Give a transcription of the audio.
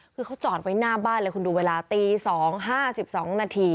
คือเขาจอดไว้หน้าบ้านเลยคุณดูเวลาตีสองห้าสิบสองนาที